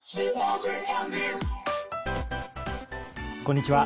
こんにちは。